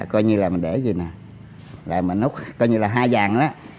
coi như là mình để gì nè coi như là hai vàng đó